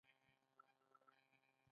د دغه امانت ساتنه او پالنه د دوی دنده ده.